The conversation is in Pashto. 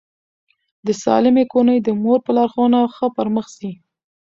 د سالمې کورنۍ د مور په لارښوونه ښه پرمخ ځي.